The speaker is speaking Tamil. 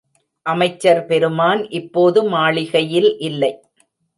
அமைச்சர் பெருமான் இப்போது மாளிகையில் இல்லை.